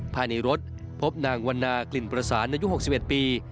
ภายในรถพบนางวันนากลิ่นประสานอายุ๖๑ปี